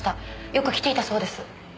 よく来ていたそうです。